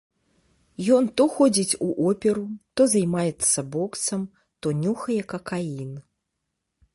Ён то ходзіць у оперу, то займаецца боксам, то нюхае какаін.